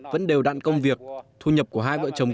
vẫn đều đặn công việc thu nhập của hai vợ chồng